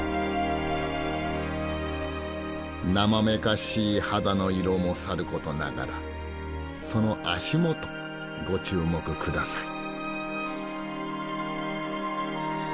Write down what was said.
艶かしい肌の色もさることながらその足元ご注目ください。